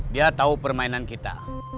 dia tahu permainan kita